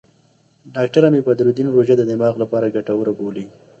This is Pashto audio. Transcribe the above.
ډاکټره مي بدرالدین روژه د دماغ لپاره ګټوره بولي.